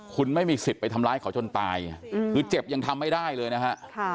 คุณไม่มีสิทธิ์ไปทำร้ายเขาจนตายคือเจ็บยังทำไม่ได้เลยนะฮะ